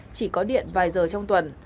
chỉ có điện vài giờ trong tuần